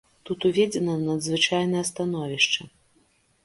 Тут уведзена надзвычайнае становішча.